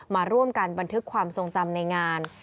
มาร่วมกันบันทึกความทรงจำในงาน